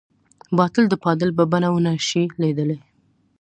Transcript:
باطل د باطل په بڼه ونه شي ليدلی.